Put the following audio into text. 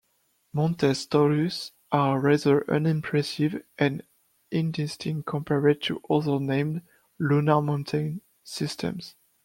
Montes Taurus are rather unimpressive and indistinct compared to other named lunar mountain systems.